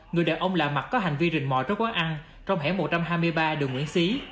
người đàn ông lạ mặt có hành vi rình mò trước quán ăn trong hẻm một trăm hai mươi ba đường nguyễn xí